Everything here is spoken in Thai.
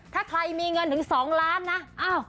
ถ้าใครมีเงินถึง๒ล้านนะ